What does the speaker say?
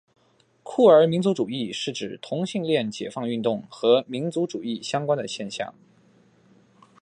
酷儿民族主义是指同性恋解放运动和民族主义相关的现象。